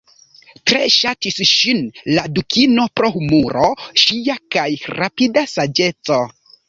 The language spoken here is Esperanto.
Tre ŝatis ŝin la dukino pro humuro ŝia kaj rapida saĝeco.